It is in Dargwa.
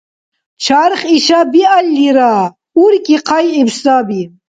Чарх ишаб биаллира, уркӀи хъайгӀиб саби.